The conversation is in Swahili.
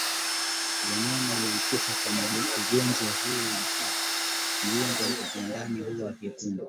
Wanyama waliokufa kwa ugonjwa huu viungo vya ndani huwa vywekundu